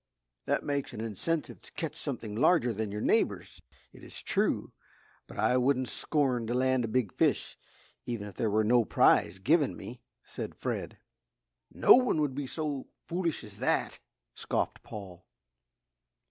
"That makes an incentive to catch something larger than your neighbour's, it is true, but I wouldn't scorn to land a big fish even if there were no prize given me," said Fred. "No one would be so foolish as that," scoffed Paul.